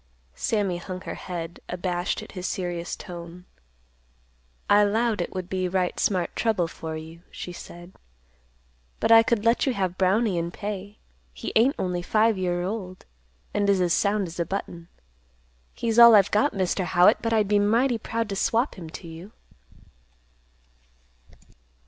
Sammy hung her head, abashed at his serious tone. "I 'lowed it would be right smart trouble for you," she said. "But I could let you have Brownie in pay; he ain't only five year old, and is as sound as a button. He's all I've got, Mr. Howitt. But I'd be mighty proud to swap him to you."